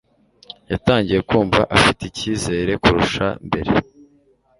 yatangiye kumva afite icyizere kurusha mbere.